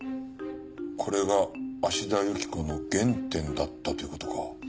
これが芦田雪子の原点だったという事か。